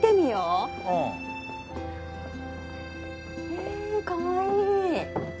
へぇかわいい。